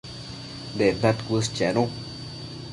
Dectad cuës chenu